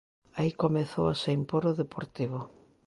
Aí comezou a se impor o Deportivo.